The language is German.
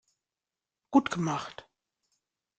Gut gemacht.